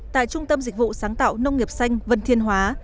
tại trung tâm dịch vụ sáng tạo nông nghiệp xanh vân thiên hóa